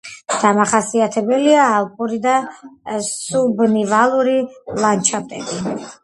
დამახასიათებელია ალპური და სუბნივალური ლანდშაფტები.